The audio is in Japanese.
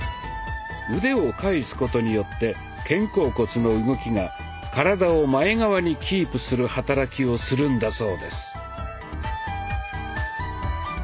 腕を返すことによって肩甲骨の動きが体を前側にキープする働きをするんだそうです。